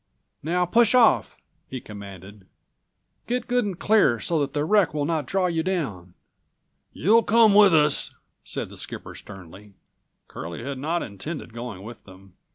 "Now push off!" he commanded. "Get good and clear so that the wreck will not draw you down." "You'll come with us," said the skipper sternly. Curlie had not intended going with them.